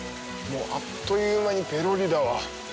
あっという間にぺろりだわ。